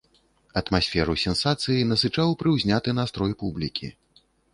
Атмасферу сенсацыі насычаў прыўзняты настрой публікі.